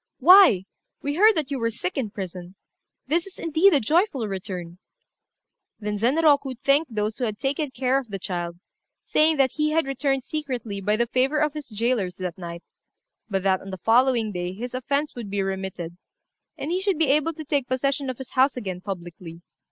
"Why, we heard that you were sick in prison. This is, indeed, a joyful return." Then Zenroku thanked those who had taken care of the child, saying that he had returned secretly by the favour of his jailers that night; but that on the following day his offence would be remitted, and he should be able to take possession of his house again publicly.